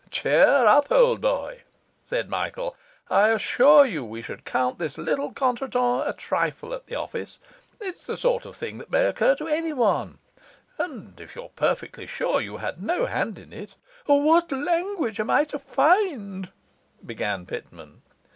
'Cheer up, old boy,' said Michael. 'I assure you we should count this little contretemps a trifle at the office; it's the sort of thing that may occur to any one; and if you're perfectly sure you had no hand in it ' 'What language am I to find ' began Pitman.